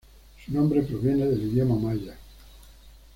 Su nombre proviene del idioma maya.